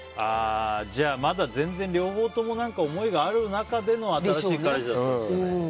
まだ全然両方とも思いがある中での新しい彼氏だったんですかね。